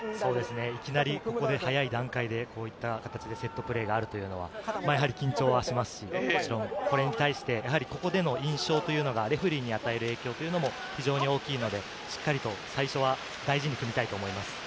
いきなりここで早い段階でこういった形でセットプレーがあるというのは、やはり緊張しますし、もちろんこれに対してやはりここでの印象というのがレフェリーに与える影響も非常に大きいので、しっかり最初は大事に組みたいと思います。